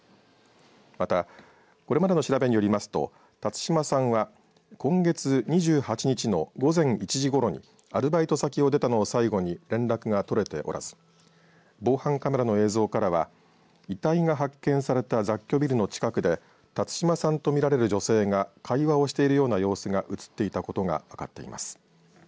またこれまでの調べによりますと辰島さんは今月２８日の午前１時ごろにアルバイト先を出たのを最後に連絡が取れておらず防犯カメラの映像からは遺体が発見された雑居ビルの近くで辰島さんと見られる女性が会話をしているような様子が映っていたことがわかっています。